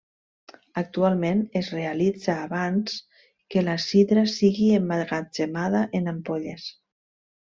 Actualment es realitza abans que la sidra sigui emmagatzemada en ampolles.